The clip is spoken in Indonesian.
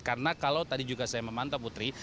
karena kalau tadi juga saya memantau putri